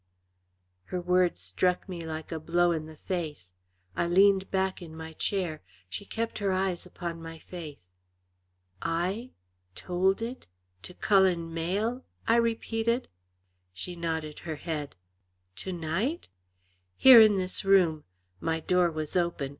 Her words struck me like a blow in the face. I leaned back in my chair. She kept her eyes upon my face. "I told it to Cullen Mayle?" I repeated. She nodded her head. "To night?" "Here in this room. My door was open.